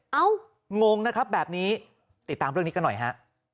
งงนะครับแบบนี้ติดตามเรื่องนี้กันหน่อยฮะ